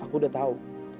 pi aku udah tau